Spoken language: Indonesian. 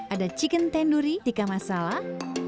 ada chicken tandoori tiga masalah